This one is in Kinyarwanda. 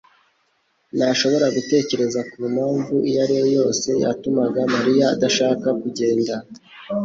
ntashobora gutekereza ku mpamvu iyo ari yo yose yatumaga Mariya adashaka kugenda.